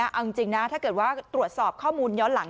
เอาจริงนะถ้าเกิดว่าตรวจสอบข้อมูลย้อนหลัง